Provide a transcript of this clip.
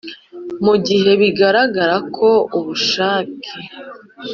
mu gihe bigaragara ko ubushake